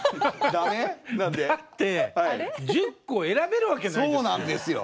だって１０個選べるわけないですよ。